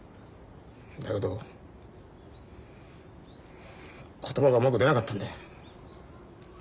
だけど言葉がうまく出なかったんだよ。